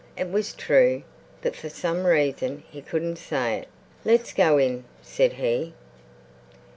It was true, but for some reason he couldn't say it. "Let's go in," said he.